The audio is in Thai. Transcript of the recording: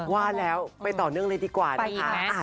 ว่าแล้วไปต่อเนื่องเลยดีกว่านะคะ